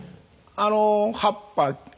あの葉っぱは。